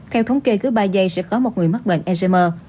theo thống kê cứ ba giây sẽ có một người mắc bệnh esermer